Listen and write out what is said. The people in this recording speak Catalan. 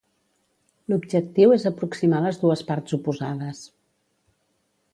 L'objectiu és aproximar les dues parts oposades.